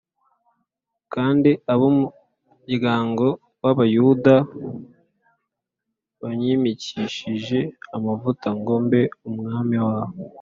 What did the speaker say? kandi ab’umuryango w’Abayuda banyimikishije amavuta ngo mbe umwami wabo